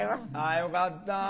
あよかった。